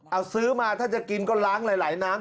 เอาซื้อมาถ้าจะกินก็ล้างหลายน้ำ